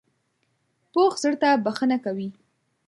پوخ زړه تل بښنه کوي